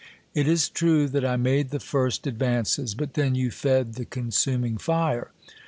It is true that I made the first advances ; but then you fed the consuming fire.